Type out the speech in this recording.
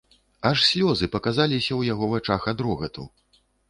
Аж слёзы паказаліся ў яго вачах ад рогату.